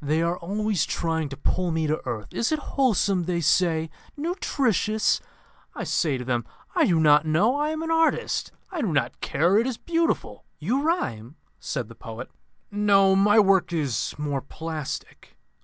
They are always trying to pull me to earth. 'Is it wholesome?' they say; 'nutritious?' I say to them, 'I do not know. I am an artist. I do not care. It is beautiful.'" "You rhyme?" said the poet. "No. My work is more plastic.